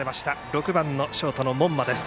６番のショート、門間です。